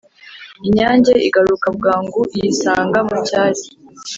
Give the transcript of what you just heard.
inyange igaruka bwangu, iyisanga mu cyari